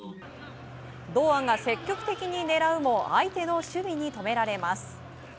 堂安が積極的に狙うも相手の守備に止められます。